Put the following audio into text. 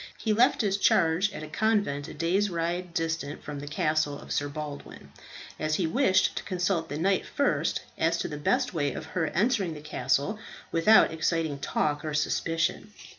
He left his charge at a convent a day's ride distant from the castle of Sir Baldwin, as he wished to consult the knight first as to the best way of her entering the castle without exciting talk or suspicion.